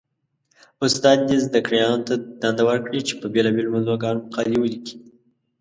استاد دې زده کړيالانو ته دنده ورکړي؛ چې په بېلابېلو موضوعګانو مقالې وليکي.